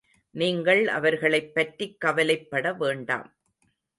நீங்கள் அவர்களைப்பற்றிக் கவலைப்பட வேண்டாம்.